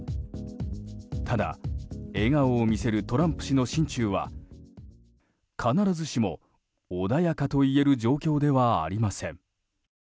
ただ、笑顔を見せるトランプ氏の心中は必ずしも、穏やかといえる状況ではありません。